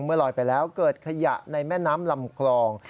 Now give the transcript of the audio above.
ลอยไปแล้วเกิดขยะในแม่น้ำลำคลอง